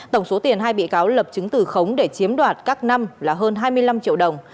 tổng số tiền hai bị cáo lập chứng từ khống để chiếm đoạt các năm là hơn hai mươi năm triệu đồng